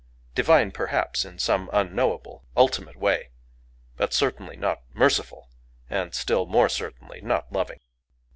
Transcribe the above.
Divine, perhaps, in some unknowable ultimate way,—but certainly not merciful, and still more certainly not loving.